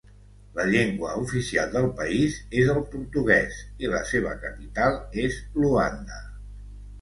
La llengua oficial del país és el portuguès i la seva capital és Luanda.